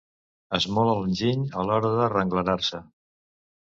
Esmola l'enginy a l'hora d'arrenglerar-se.